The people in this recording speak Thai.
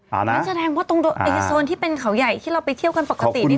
นั่นแสดงว่าตรงโซนที่เป็นเขาใหญ่ที่เราไปเที่ยวกันปกตินี่